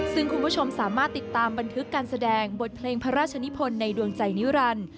ซึ่งคุณผู้ชมสามารถติดตามบันทึกการแสดงบทเพลงพระราชนิพลในดวงใจนิรันดิ์